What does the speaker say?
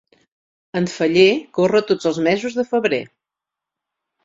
En Feller corre tots els mesos de febrer.